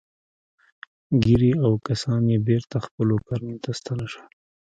ګيري او کسان يې بېرته خپلو کارونو ته ستانه شول.